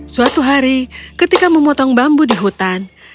suatu hari ketika memotong bambu di hutan